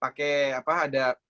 pakai apa ada game board gitu